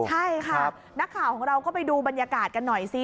ใช่ค่ะนักข่าวของเราก็ไปดูบรรยากาศกันหน่อยสิ